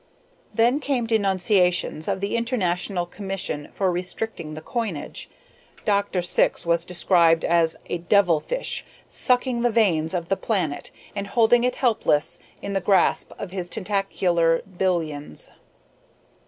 Then came denunciations of the international commission for restricting the coinage. Dr. Syx was described as "a devil fish sucking the veins of the planet and holding it helpless in the grasp of his tentacular billions."